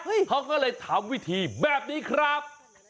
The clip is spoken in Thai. เขาก็เลยทำวิธีแบบนี้ครับ